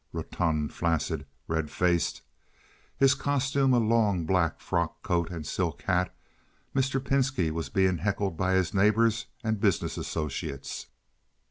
Rotund, flaccid, red faced, his costume a long black frock coat and silk hat, Mr. Pinski was being heckled by his neighbors and business associates.